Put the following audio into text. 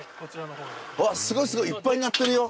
うわすごいすごいいっぱいなってるよ。